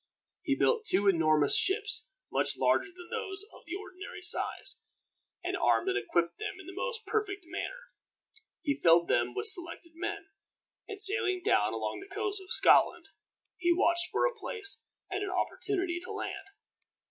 He built two enormous ships, much larger than those of the ordinary size, and armed and equipped them in the most perfect manner. He filled them with selected men, and sailing down along the coast of Scotland, he watched for a place and an opportunity to land.